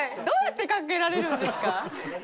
どうやったらかけられるんですか？